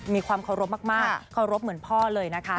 มีความเคารพมากเคารพเหมือนพ่อเลยนะคะ